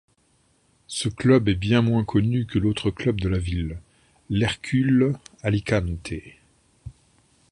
Ce club est bien moins connu que l'autre club de la ville, l'Hercules Alicante.